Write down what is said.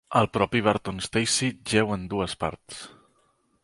El propi Barton Stacey jeu en dues parts.